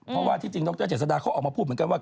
เพราะว่าที่จริงดรเจษฎาเขาออกมาพูดเหมือนกันว่า